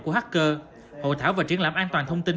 của hacker hội thảo và triển lãm an toàn thông tin